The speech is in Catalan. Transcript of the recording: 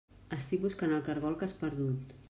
Estic buscant el caragol que has perdut.